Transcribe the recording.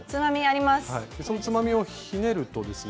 そのつまみをひねるとですね。